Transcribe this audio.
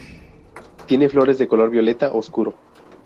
Tiene flores de color violeta oscuro.